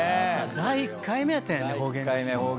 第１回目やったんやね方言女子。